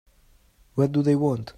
What do they want?